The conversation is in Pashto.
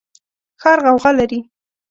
ښار غوغا لري